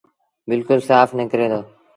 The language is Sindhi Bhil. بلڪُل سآڦ نڪري دو۔